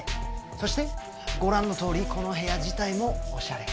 そしてご覧のとおりこの部屋自体もおしゃれ。